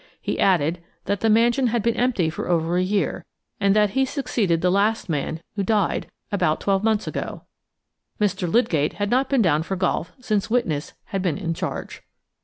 He added that the mansion had been empty for over a year, and that he succeeded the last man, who died, about twelve months ago. Mr. Lydgate had not been down for golf since witness had been in charge.